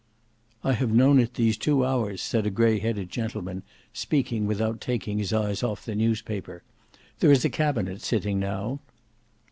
"I have known it these two hours," said a grey headed gentleman, speaking without taking his eyes off the newspaper. "There is a cabinet sitting now."